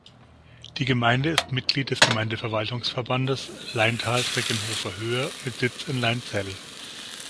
Die Gemeinde ist Mitglied des Gemeindeverwaltungsverbands Leintal-Frickenhofer Höhe mit Sitz in Leinzell.